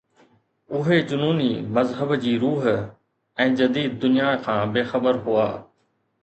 اهي جنوني مذهب جي روح ۽ جديد دنيا کان بي خبر هئا